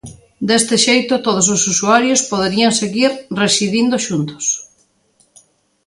Deste xeito, todos os usuarios poderían seguir residindo xuntos.